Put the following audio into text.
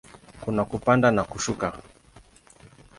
Kuna kupanda na kushuka.